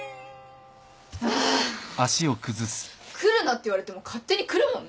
ああ来るなって言われても勝手に来るもんね。